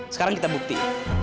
sekarang kita buktiin